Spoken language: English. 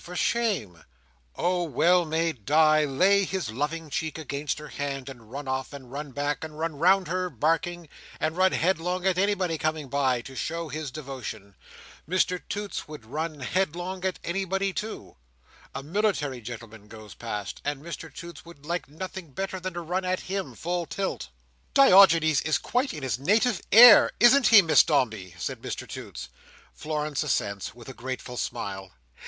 For shame!" Oh! Well may Di lay his loving cheek against her hand, and run off, and run back, and run round her, barking, and run headlong at anybody coming by, to show his devotion. Mr Toots would run headlong at anybody, too. A military gentleman goes past, and Mr Toots would like nothing better than to run at him, full tilt. "Diogenes is quite in his native air, isn't he, Miss Dombey?" says Mr Toots. Florence assents, with a grateful smile.